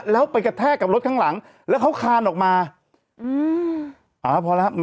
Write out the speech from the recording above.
แล้วไปกระแทกกับรถข้างหลังแล้วเขาคานออกมาอืมอ่าพอแล้ว